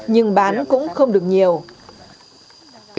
nhưng bán cũng không được nhiều